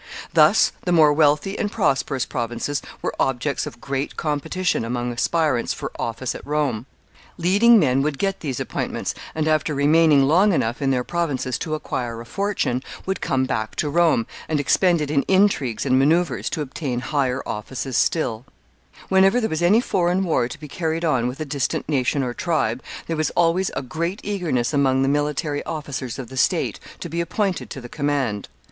Thus the more wealthy and prosperous provinces were objects of great competition among aspirants for office at Rome. Leading men would get these appointments, and, after remaining long enough in their provinces to acquire a fortune, would come back to Rome, and expend it in intrigues and maneuvers to obtain higher offices still. [Sidenote: Foreign wars.] [Sidenote: The victorious general.] Whenever there was any foreign war to be carried on with a distant nation or tribe, there was always a great eagerness among all the military officers of the state to be appointed to the command.